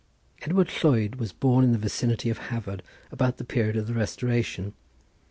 Edward Lhuyd was born in the vicinity of Hafod about the period of the Restoration.